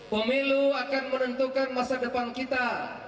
pemilu akan menentukan masa depan kita